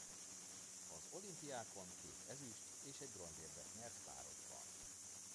Az olimpiákon két ezüst- és egy bronzérmet nyert párosban.